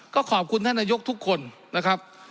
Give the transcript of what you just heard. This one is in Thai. ก็ขอบคุณท่านนายกทุกคนนะครับ